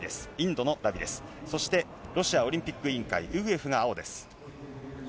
そしてロシアオリンピック委員会、ウグエフが青です。